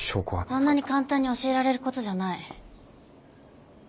そんなに簡単に教えられることじゃない。